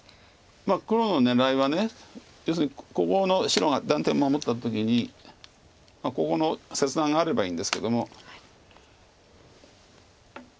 黒の狙いは要するにここの白が断点を守った時にここの切断があればいいんですけども。